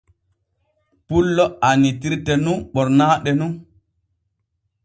Pullo annitirte nun ɓornaaɗe nun.